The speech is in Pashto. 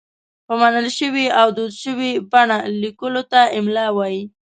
په منل شوې او دود شوې بڼه لیکلو ته املاء وايي.